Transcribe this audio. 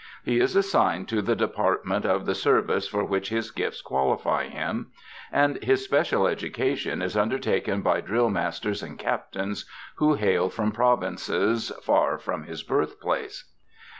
He is assigned to the department of the service for which his gifts qualify him, and his special education is undertaken by drill masters and captains who hail from provinces far from his birthplace.